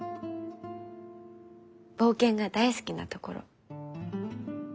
冒険が大好きなところ。